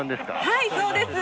はいそうです！